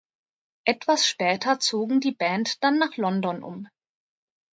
Etwas später zogen die Band dann nach London um.